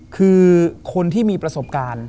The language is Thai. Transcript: คือคนที่มีประสบการณ์